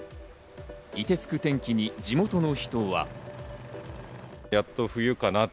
凍てつく天気に地元の人は。